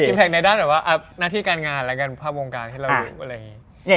อิมแพคในด้านหน้าที่การงานและการภาพวงการให้เราเลือก